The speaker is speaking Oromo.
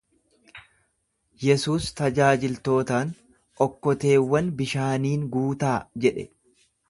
Yesuus tajaajiltootaan, Okkoteewwan bishaaniin guutaa jedhe.